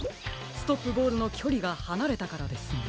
ストップボールのきょりがはなれたからですね。